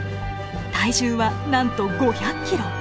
体重はなんと５００ｋｇ。